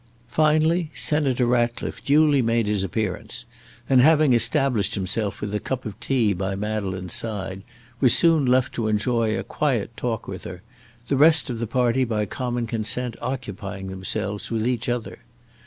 Finally, Senator Ratcliffe duly made his appearance, and, having established himself with a cup of tea by Madeleine's side, was soon left to enjoy a quiet talk with her, the rest of the party by common consent occupying themselves with each other.